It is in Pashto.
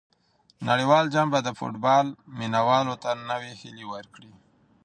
نړیوال جام به د فوټبال مینه والو ته نوې هیلې ورکړي.